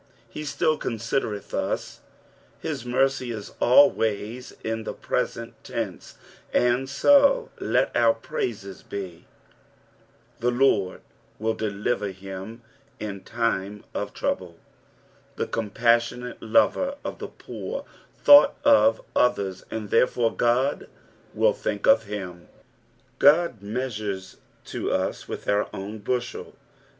He still coosidereth us ; his mercy is always in the presHit tense, and so lot our praises be. " The Lord teiU ddiver him in lime of (poaMi." Tlie compassionate loferot the poor thought of others, and therefore God will think of him. Ood mei Burcs to us with our own bushel.